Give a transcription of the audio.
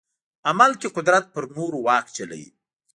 عمل کې قدرت پر نورو واک چلوي.